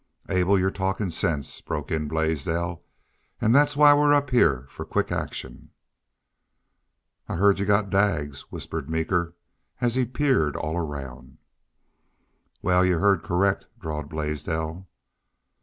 "Abe, you're talkin' sense," broke in Blaisdell. "An' that's why we're up heah for quick action." "I heerd y'u got Daggs," whispered Meeker, as he peered all around. "Wal, y'u heerd correct," drawled Blaisdell.